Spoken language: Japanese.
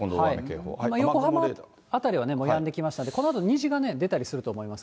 横浜辺りはもうやんできましたんで、このあと虹が出たりすると思います。